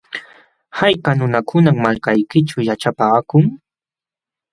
¿Hayka nunakunam malkaykićhu yaćhapaakun?